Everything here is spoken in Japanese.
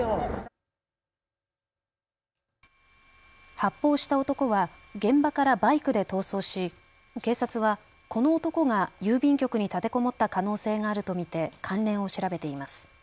発砲した男は現場からバイクで逃走し警察はこの男が郵便局に立てこもった可能性があると見て関連を調べています。